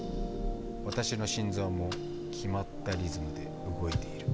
私の心臓も決まったリズムで動いている。